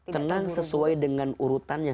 tenang sesuai dengan urutannya